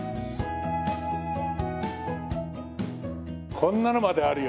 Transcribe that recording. こんなのまであるよ。